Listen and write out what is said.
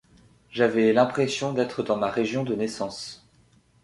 J'avais l'impression d'être dans ma région de naissance.